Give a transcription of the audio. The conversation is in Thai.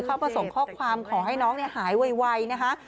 มาส่งข้อความขอให้น้องหายไวนะคะ